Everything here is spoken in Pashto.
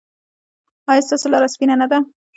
ایا ستاسو لاره سپینه نه ده؟